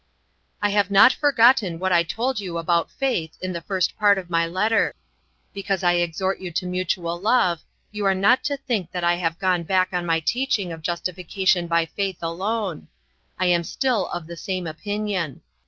"I have not forgotten what I told you about faith in the first part of my letter. Because I exhort you to mutual love you are not to think that I have gone back on my teaching of justification by faith alone. I am still of the same opinion.